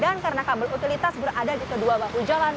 dan karena kabel utilitas berada di kedua bahu jalan